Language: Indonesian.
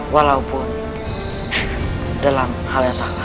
walaupun dalam hal yang salah